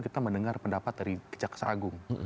kita mendengar pendapat dari kejaksaan agung